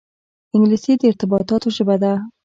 انګلیسي د ارتباطاتو ژبه ده